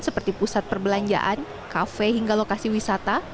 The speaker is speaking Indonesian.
seperti pusat perbelanjaan kafe hingga lokasi wisata